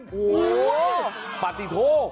โอ้โหปฏิโท